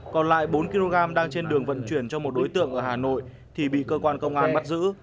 còn lại bốn kg đang trên đường vận chuyển cho một đối tượng ở hà nội thì bị cơ quan công an bắt giữ